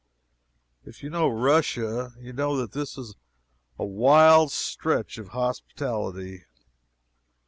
If you know Russia, you know that this was a wild stretch of hospitality.